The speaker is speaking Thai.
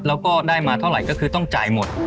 แล้วก็ได้มาเท่าไหร่ก็คือต้องจ่ายหมด